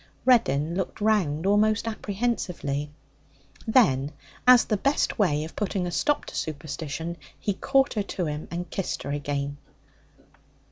Reddin looked round almost apprehensively. Then, as the best way of putting a stop to superstition, he caught her to him and kissed her again.